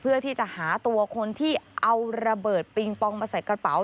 เพื่อที่จะหาตัวคนที่เอาระเบิดปิงปองมาใส่กระเป๋า